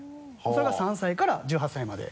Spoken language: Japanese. それが３歳から１８歳まで。